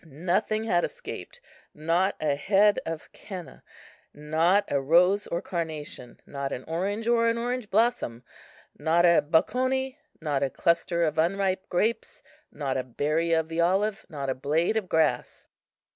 Nothing had escaped; not a head of khennah, not a rose or carnation, not an orange or an orange blossom, not a boccone, not a cluster of unripe grapes, not a berry of the olive, not a blade of grass.